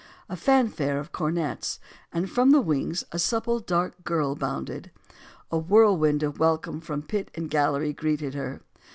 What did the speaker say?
A fanfare of cornets; and from the wings a supple, dark girl bounded. A whirlwind of welcome from pit and gallery greeted her.